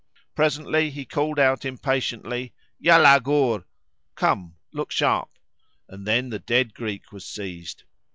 Presently he called out impatiently, "Yalla! Goor!" (Come! look sharp!), and then the dead Greek was seized.